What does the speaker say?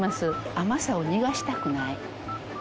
甘さを逃がしたくない。